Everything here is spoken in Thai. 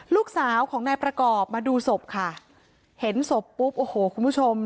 ลูกสาวของนายประกอบมาดูศพค่ะเห็นศพปุ๊บโอ้โหคุณผู้ชม